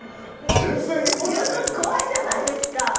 十分怖いじゃないですか。